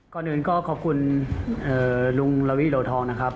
ก่อนอื่นก็ขอบคุณลุงละวิโลทองนะครับ